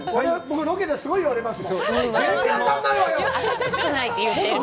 僕、ロケですごく言われます。